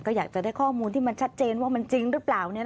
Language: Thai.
ก็อยากจะได้ข้อมูลที่มันชัดเจนว่ามันจริงหรือเปล่า